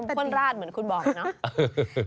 เอาน้ำพ่นราดเหมือนคุณบอกนะ